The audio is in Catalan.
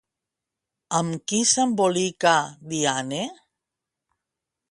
Amb qui s'embolica Diane?